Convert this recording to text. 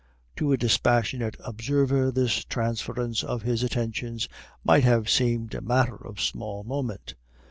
To a dispassionate observer this transference of his attentions might have seemed a matter of small moment.